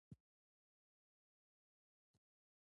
د هغه د ورور نوم داراشکوه و.